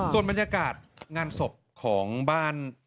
ส่วนบรรยากาศงานศพของบ้าน